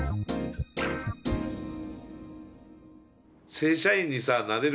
正社員にさなれる